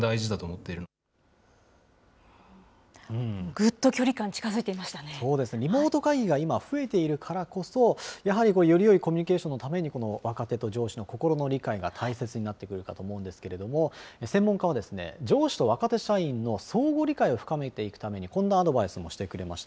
ぐっと距離感、そうですね、リモート会議が今増えているからこそ、やはりよりよいコミュニケーションのために、若手と上司の心の理解が大切になってくるかと思うんですけれども、専門家は、上司と若手社員の相互理解を深めていくために、こんなアドバイスもしてくれました。